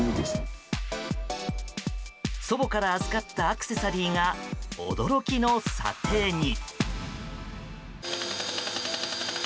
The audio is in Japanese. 祖母から預かったアクセサリーが驚きの査定に。